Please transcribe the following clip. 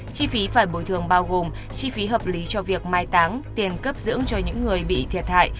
chi phí phải bồi thường bao gồm chi phí hợp lý cho việc mai táng tiền cấp dưỡng cho những người bị thiệt hại